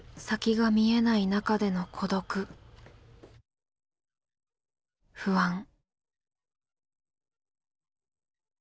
先が見えない中での孤独不安。